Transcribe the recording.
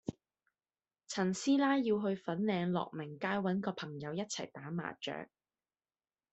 陳師奶要去粉嶺樂鳴街搵個朋友一齊打麻雀